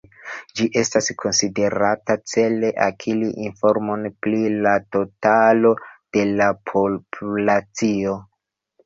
Ĝi estas konsiderata cele akiri informon pri la totalo de la populacio.